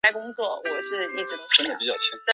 毕业于安徽省委党校党建与经济发展专业。